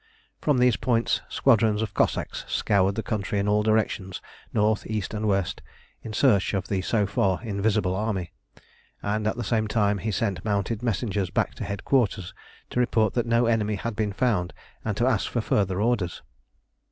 From these points squadrons of Cossacks scoured the country in all directions, north, east, and west, in search of the so far invisible army; and at the same time he sent mounted messengers back to headquarters to report that no enemy had been found, and to ask for further orders.